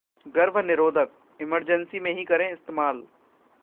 गर्भनिरोधक: emergency में ही करें इस्तेमाल